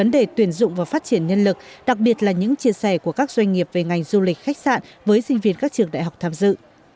để tuyển dụng và phát triển nhân lực đặc biệt là những chia sẻ của các doanh nghiệp về ngành du lịch khách sạn với sinh viên các trường đại học tham dự